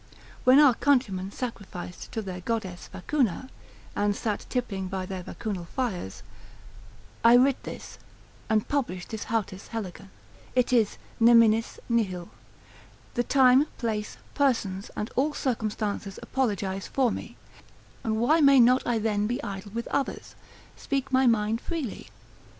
When our countrymen sacrificed to their goddess Vacuna, and sat tippling by their Vacunal fires. I writ this, and published this οὕτις ἕλεγεν, it is neminis nihil. The time, place, persons, and all circumstances apologise for me, and why may not I then be idle with others? speak my mind freely?